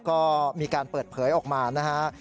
ก็มีการเปิดเผยออกมานะฮะ